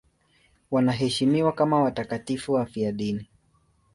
Wanaheshimiwa kama watakatifu wafiadini.